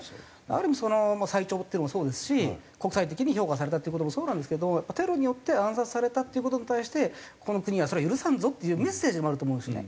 ある意味その最長っていうのもそうですし国際的に評価されたっていう事もそうなんですけどテロによって暗殺されたっていう事に対してこの国はそれを許さんぞっていうメッセージでもあると思うんですよね。